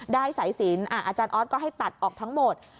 สายสินอาจารย์ออสก็ให้ตัดออกทั้งหมด